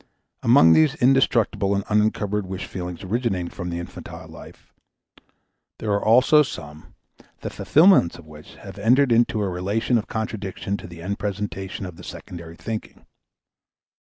Among these indestructible and unincumbered wish feelings originating from the infantile life, there are also some, the fulfillments of which have entered into a relation of contradiction to the end presentation of the secondary thinking.